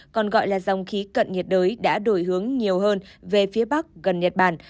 còn gọi là dòng khí cận nhiệt đới đã đổi hướng nhiều hơn về phía bắc gần nhật bản